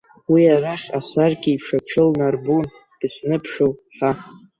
Уи арахь асаркьеиԥш аҽылнарбон, бысныԥшыл ҳәа.